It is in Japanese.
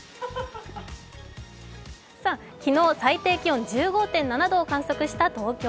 昨日、最低気温１５．７度を記録した東京。